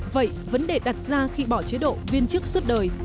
vậy vấn đề đặt ra khi bỏ chế độ viên chức suốt đời